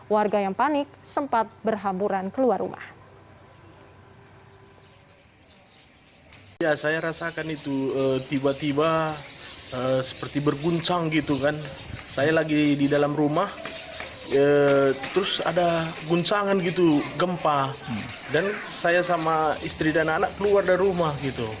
warga yang panik sempat berhamburan keluar rumah